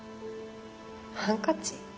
ハンカチ？